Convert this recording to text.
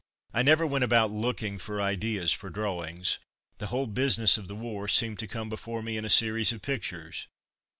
I never went about looking for ideas for drawings; the whole business of the war seemed to come before me in a series of pictures.